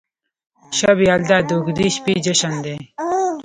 شب یلدا د اوږدې شپې جشن دی.